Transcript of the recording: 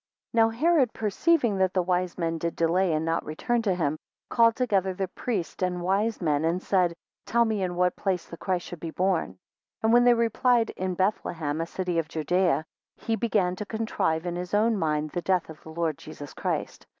NOW Herod perceiving that the wise men did delay and not return to him, called together the priest and wise men, and said, Tell me in what place the Christ should be born. 2 And when they replied, in Bethlehem, a city of Judaea, he began to contrive in his own mind the death of the Lord Jesus Christ.